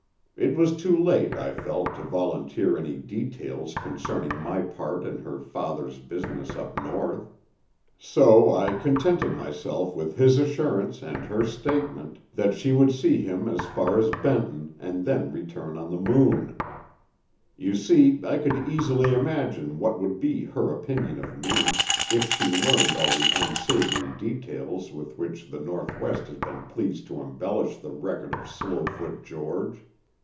It was too late, I felt, to volunteer any details concerning my part in her father's business up North. So I contented myself with his assurance and her statement, that she would see him as far as Benton and then return on the Moon. "You see, I could easily imagine what would be her opinion of me, if she learned all the unsavory details with which the Northwest has been pleased to embellish the record of Slowfoot George.